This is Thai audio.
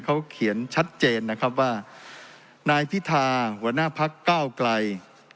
เขาเขียนชัดเจนนะครับว่านายพิธาหัวหน้าพักเก้าไกล